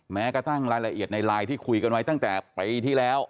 แม้กระทั่งรายละเอียดในไลน์ที่คุยกันไว้ตั้งแต่ปีที่แล้ว